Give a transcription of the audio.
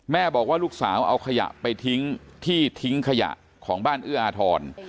บอกว่าลูกสาวเอาขยะไปทิ้งที่ทิ้งขยะของบ้านเอื้ออาทร